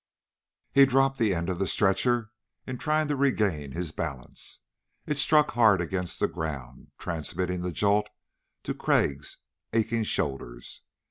He dropped the end of the stretcher in trying to regain his balance. It struck hard against the ground, transmitting the jolt to Crag's aching shoulders.